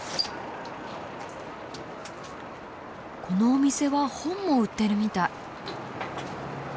このお店は本も売ってるみたい。